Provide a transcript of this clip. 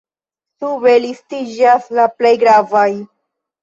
Sube listiĝas la plej gravaj.